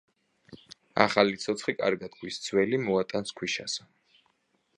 ახალი ცოცხი კარგად გვის ძველი მოატანს ქვიშასა,.